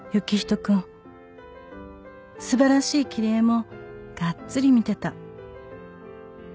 「素晴らしい切り絵もがっつり見てた」